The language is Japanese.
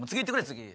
次。